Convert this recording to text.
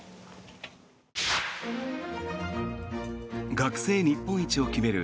学生日本一を決める